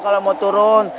kalau mau turun